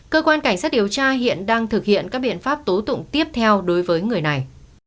cơ quan cảnh sát điều tra hiện đang thực hiện các biện pháp tố tụng tiếp theo đối với người này